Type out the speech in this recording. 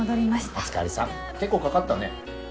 結構かかったね？